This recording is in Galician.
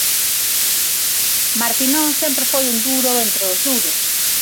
Martinón sempre foi un duro entre os duros.